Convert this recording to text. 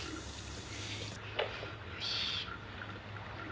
「よし」